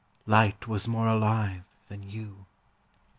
Light was more alive than you.